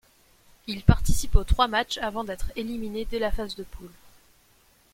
Il participe aux trois matchs avant d'être éliminé dès la phase de poule.